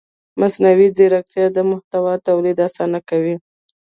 مصنوعي ځیرکتیا د محتوا تولید اسانه کوي.